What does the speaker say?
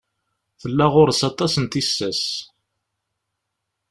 Tella ɣur-s aṭas n tissas.